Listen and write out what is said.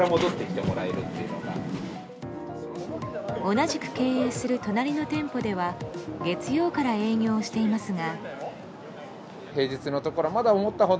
同じく経営する隣の店舗では月曜から営業していますが。